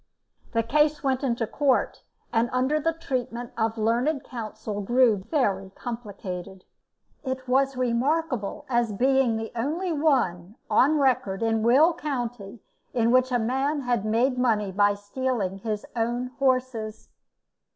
The case went into court, and under the treatment of learned counsel grew very complicated. It was remarkable as being the only one on record in Will county in which a man had made money by stealing his own horses.